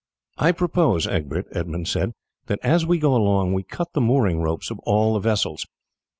"I propose, Egbert," Edmund said, "that as we go along we cut the mooring ropes of all the vessels.